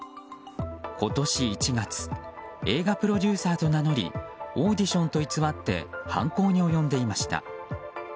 今年１月映画プロデューサーと名乗りオーディションと偽って犯行に及んでいました。